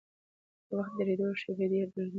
د وخت د درېدو شېبې ډېرې درنې وي.